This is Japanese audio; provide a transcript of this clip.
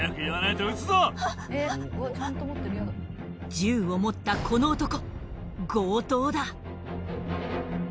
銃を持ったこの男強盗だ。